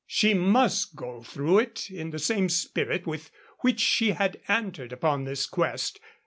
she must go through it in the same spirit with which she had entered upon this quest.